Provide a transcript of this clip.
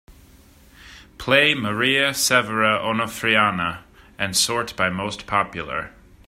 Play Maria Severa Onofriana and sort by most popular.